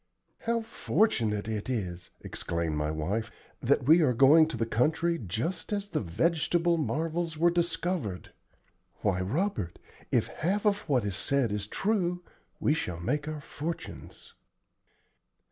"How fortunate it is," exclaimed my wife, "that we are going to the country just as the vegetable marvels were discovered! Why, Robert, if half of what is said is true, we shall make our fortunes."